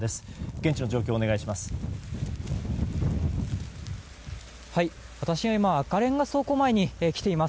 現地の状況をお願いします。